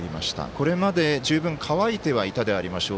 これまで十分乾いていたでありましょう